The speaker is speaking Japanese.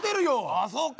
ああそうか。